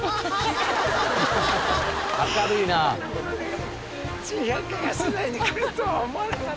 明るいな。